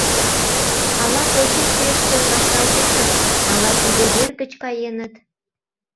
Ала позицийыштым вашталтеныт, ала тиде вер гыч каеныт?